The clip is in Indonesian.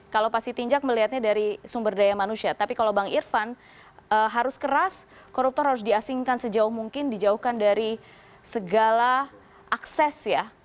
kalau pak sitinjak melihatnya dari sumber daya manusia tapi kalau bang irfan harus keras koruptor harus diasingkan sejauh mungkin dijauhkan dari segala akses ya